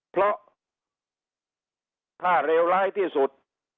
เพราะถ้าเลวร้ายที่สุด